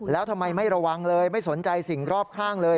แล้วทำไมไม่ระวังเลยไม่สนใจสิ่งรอบข้างเลย